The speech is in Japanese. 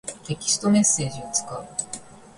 テキストメッセージを使う。